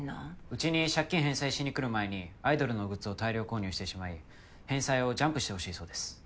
うちに借金返済しに来る前にアイドルのグッズを大量購入してしまい返済をジャンプしてほしいそうです。